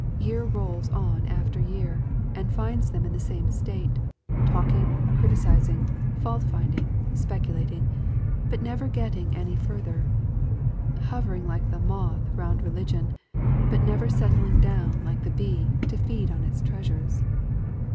Tear rolls on after year, and finds them in the same state, — talking, criticising, fault finding, speculating, but never getting any further, — ^hovering like the moth round religion, but never set tling down like the bee, to feed on its treasures.